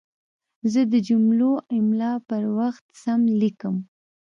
زه د جملو املا پر وخت سم لیکم.